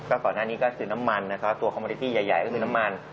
ก่อนหน้านี้ก็คือน้ำมันนะคะตัวคอมเมริตี้ใหญ่ก็คือน้ำมัน